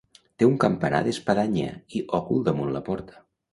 Té un campanar d'espadanya, i òcul damunt la porta.